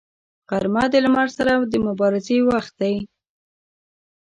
غرمه د لمر سره د مبارزې وخت دی